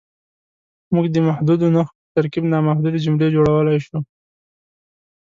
موږ د محدودو نښو په ترکیب نامحدودې جملې جوړولی شو.